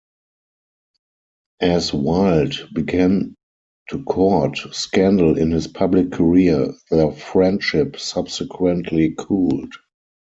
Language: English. As Wilde began to court scandal in his public career, their friendship subsequently cooled.